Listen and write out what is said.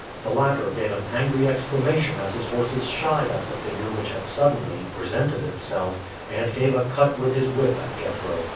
The latter gave an angry exclamation as his horses shied at the figure which had suddenly presented itself, and gave a cut with his whip at Jethro.